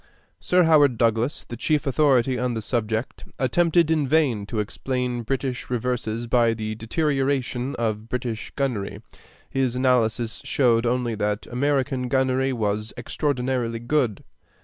Sir Howard Douglas, the chief authority on the subject, attempted in vain to explain British reverses by the deterioration of British gunnery. His analysis showed only that American gunnery was extraordinarily good.